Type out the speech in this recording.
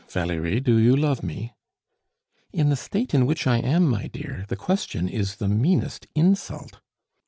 "Valerie, do you love me?" "In the state in which I am, my dear, the question is the meanest insult."